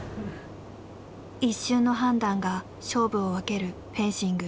一瞬の判断が勝負を分けるフェンシング。